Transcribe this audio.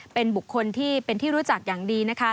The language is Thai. เป็นบุคคลที่เป็นที่รู้จักอย่างดีนะคะ